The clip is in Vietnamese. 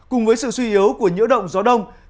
cùng với sự suy yếu của nhiễu động gió đông